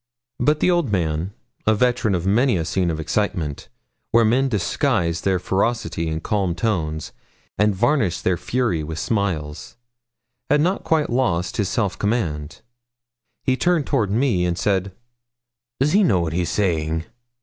But the old man, the veteran of many a scene of excitement, where men disguise their ferocity in calm tones, and varnish their fury with smiles, had not quite lost his self command. He turned toward me and said 'Does he know what he's saying?'